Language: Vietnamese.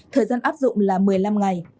thời gian áp dụng là một mươi năm ngày